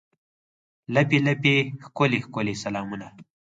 لپې، لپې ښکلي، ښکلي سلامونه